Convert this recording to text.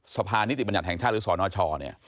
สภานิติบัญญัติแห่งชาติหรือสนช